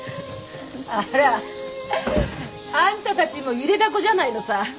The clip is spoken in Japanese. あらあんたたちもゆでだこじゃないのさ。